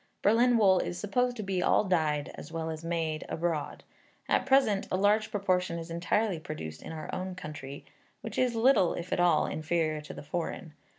Berlin wool is supposed to be all dyed, as well as made, abroad; at present a large proportion is entirely produced in our own country, which is little, if at all, inferior to the foreign.